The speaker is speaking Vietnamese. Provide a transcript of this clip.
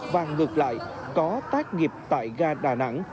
và ngược lại có tác nghiệp tại ga đà nẵng